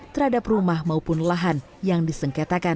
terhadap rumah maupun lahan yang disengketakan